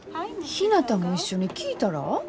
ひなたも一緒に聴いたら？